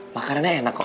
makanannya enak kok